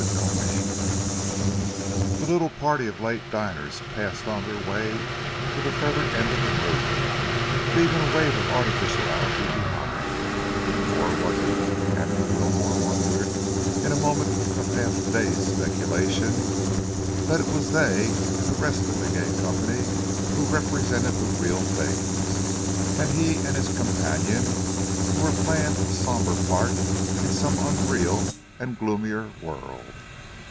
CHAPTER VIII The little party of late diners passed on their way to the further end of the room, leaving a wave of artificiality behind, or was it, Andrew Wilmore wondered, in a moment of half dazed speculation, that it was they and the rest of the gay company who represented the real things, and he and his companion who were playing a sombre part in some unreal and gloomier world.